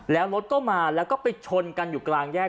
แล้วรถก็มาแล้วก็ไปชนกันอยู่กลางแยก